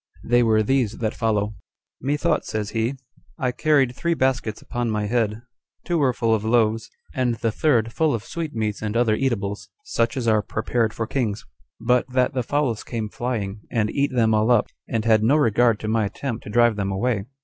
They were these that follow:"Methought," says he, "I carried three baskets upon my head; two were full of loaves, and the third full of sweetmeats and other eatables, such as are prepared for kings; but that the fowls came flying, and eat them all up, and had no regard to my attempt to drive them away."